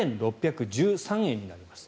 ７６１３円になります。